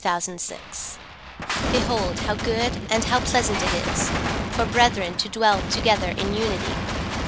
19:133:001 Behold, how good and how pleasant it is for brethren to dwell together in unity!